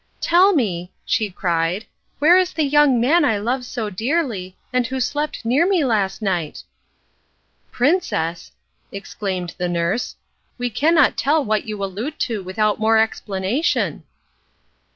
"Tell me," she cried, "where is the young man I love so dearly, and who slept near me last night?" "Princess," exclaimed the nurse, "we cannot tell what you allude to without more explanation."